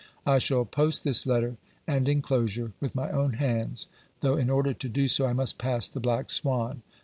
I shall post this letter and enclosure with my own hands, though in order to do so I must pass the Black Swan.